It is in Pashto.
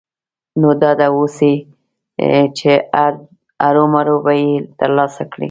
نو ډاډه اوسئ چې هرو مرو به يې ترلاسه کړئ.